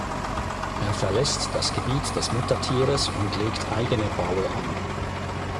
Er verlässt das Gebiet des Muttertieres und legt eigene Baue an.